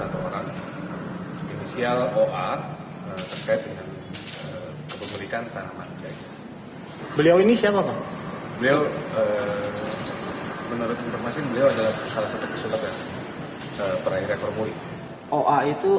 keberikan tanaman beliau ini siapa beliau menurut informasi beliau adalah salah satu